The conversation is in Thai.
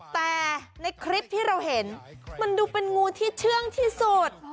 แต่ในคลิปที่เราเห็นมันดูเป็นงูที่เชื่องที่สุด